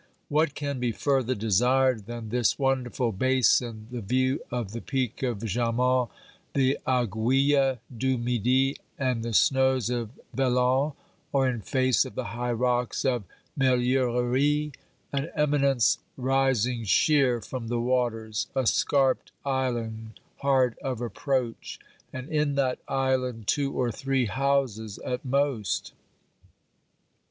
What can be further desired than this wonderful basin, the view of the peak of Jaman, the Aiguille du Midi, and the snows of Velan, or in face of the high rocks of Meillerie, an eminence rising sheer from the waters, a scarped island, hard of approach, and in that island two or three houses at most